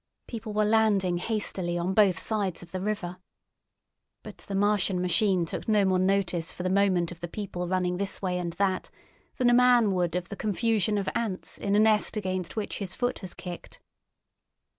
People were landing hastily on both sides of the river. But the Martian machine took no more notice for the moment of the people running this way and that than a man would of the confusion of ants in a nest against which his foot has kicked.